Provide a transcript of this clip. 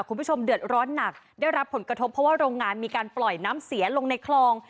คุณผู้ชมเดือดร้อนหนักได้รับผลกระทบเพราะว่าโรงงานมีการปล่อยน้ำเสียลงในคลอง